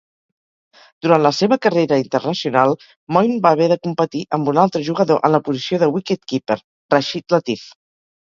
Durant la seva carrera internacional, Moin va haver de competir amb un altre jugador en la posició de wicket-keeper, Rashid Latif.